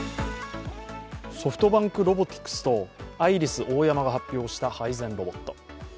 ソフトバンクロボティクスとアイリスオーヤマが発表した配膳ロボット。